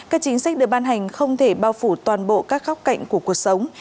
các chính sách được ban hành không thể bao phủ toàn bộ các góc cạnh của cuộc sống